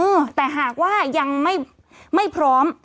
เออแต่หากว่ายังไม่พร้อม